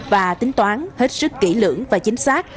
và tính toán hết sức kỹ lưỡng và chính xác